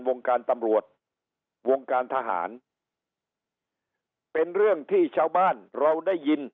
วงการตำรวจวงการทหารเป็นเรื่องที่ชาวบ้านเราได้ยิน